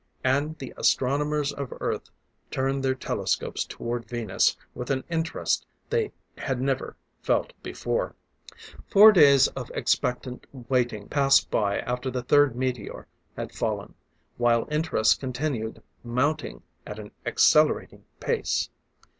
And the astronomers of Earth turned their telescopes toward Venus with an interest they had never felt before. Four days of expectant waiting passed by after the third meteor had fallen, while interest continued mounting at an accelerating pace.